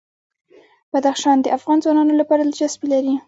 بدخشان د افغان ځوانانو لپاره دلچسپي لري.